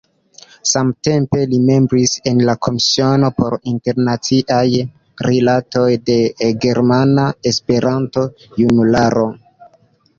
Samtempe li membris en la Komisiono por Internaciaj Rilatoj de Germana Esperanto-Junularo.